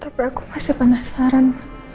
tapi aku pasti penasaran